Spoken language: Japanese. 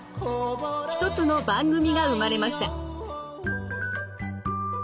一つの番組が生まれました。